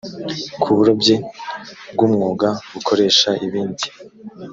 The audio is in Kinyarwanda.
ku burobyi bw umwuga bukoresha ibindi